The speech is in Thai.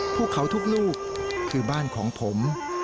พวกเขาทุกลูกคือบ้านของผม